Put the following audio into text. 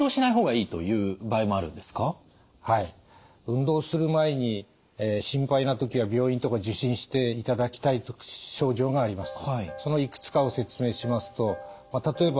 運動する前に心配な時は病院とか受診していただきたい症状があります。